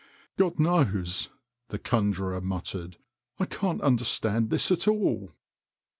" God knows," the conjurer muttered, " I can't understand this at all."